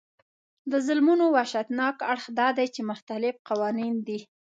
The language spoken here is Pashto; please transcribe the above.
د ظلمونو وحشتناک اړخ دا دی چې مختلف قوانین دي.